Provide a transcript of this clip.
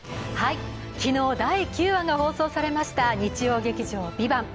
昨日、第９話が放送されました日曜劇場「ＶＩＶＡＮＴ」。